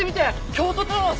京都タワー